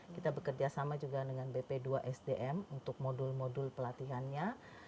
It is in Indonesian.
kita bekerja sama juga dengan bp dua sdm untuk modul modul pelatihannya